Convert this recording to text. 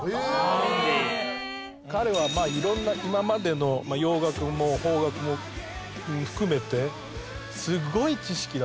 彼は色んな今までの洋楽も邦楽も含めてすごい知識だと思う。